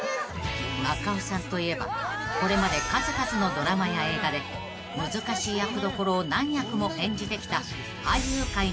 ［中尾さんといえばこれまで数々のドラマや映画で難しい役どころを何役も演じてきた］